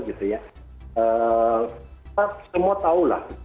kita semua tahulah